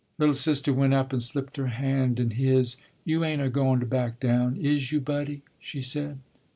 "Little sister" went up and slipped her hand in his. "You ain't a goin to back down, is you, Buddie?" she said.